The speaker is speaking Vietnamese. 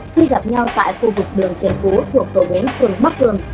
khi gặp nhau tại khu vực đường trần phú thuộc tổ bến quận bắc cường